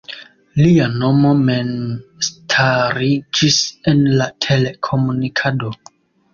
Lia nomo memstariĝis en la telekomunikado.